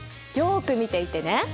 よく見ていてね。